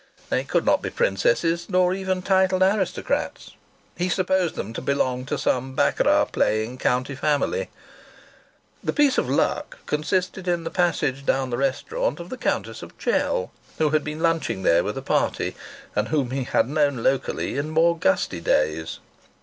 They could not be princesses, nor even titled aristocrats. He supposed them to belong to some baccarat playing county family. The piece of luck consisted in the passage down the restaurant of the Countess of Chell, who had been lunching there with a party, and whom he had known locally in more gusty days.